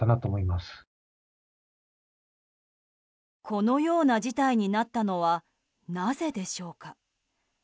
このような事態になったのはなぜでしょうか。